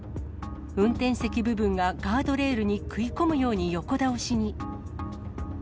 運転席部分がガードレールに食い込むように横倒しに。